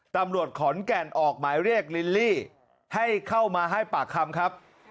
ตำรวจขอนแก่นออกหมายเรียกลิลลี่ให้เข้ามาให้ปากคำครับ